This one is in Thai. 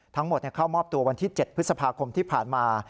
ทั้งหมดเข้ามอบตัววันที่๗พฤษภาคมที่ผ่านมา